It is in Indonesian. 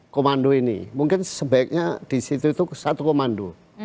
komando ini mungkin sebaiknya disitu satu komando